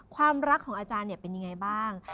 ความรักของอาจารย์เป็นยังไงบ้าง